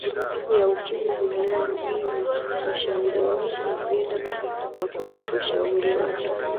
siku ya ukimwi duniani mimi ushauri wangu napenda kwa kweli kushauri watu